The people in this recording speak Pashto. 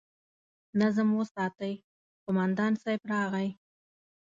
نظم وساتئ! قومندان صيب راغی!